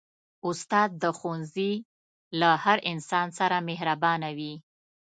استاد د ښوونځي له هر انسان سره مهربانه وي.